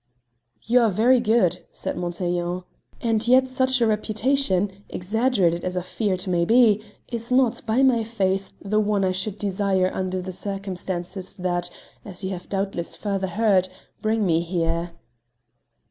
"You are very good," said Montaiglon, "and yet such a reputation, exaggerated as I fear it may be, is not, by my faith! the one I should desire under the circumstances that, as you have doubtless further heard, bring me here."